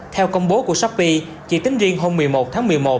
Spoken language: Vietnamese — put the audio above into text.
theo công bố của shopee chỉ tính riêng hôm một mươi một tháng một mươi một